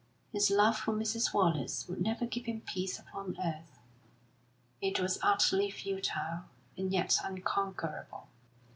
His love for Mrs. Wallace would never give him peace upon earth; it was utterly futile, and yet unconquerable.